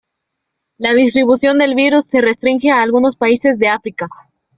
La distribución del virus se restringe a algunos países de África.